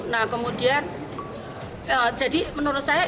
nah kemudian jadi menurut saya